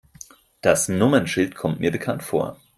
Das Nummernschild kommt mir bekannt vor.